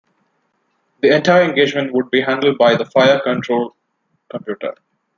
The entire engagement would be handled by the fire control computer.